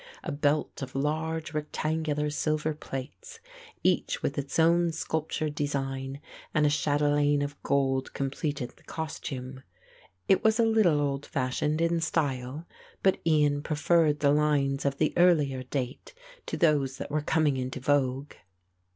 A belt of large rectangular silver plates, each with its own sculptured design, and a chatelaine of gold completed the costume. It was a little old fashioned in style, but Ian preferred the lines of the earlier date to those that were coming into vogue.